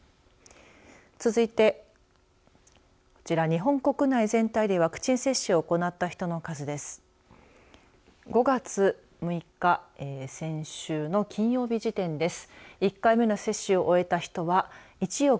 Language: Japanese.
続いて日本国内全体でワクチン接種を行った人の数です。